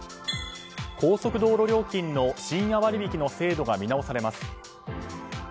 高速道路料金の深夜割引の制度が見直されます。